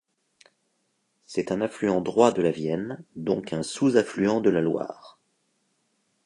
C'est un affluent droit de la Vienne, donc un sous-affluent de la Loire.